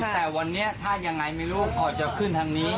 แต่วันนี้ถ้ายังไงไม่รู้เขาจะขึ้นทางนี้